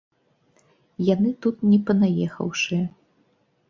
Яны тут не панаехаўшыя.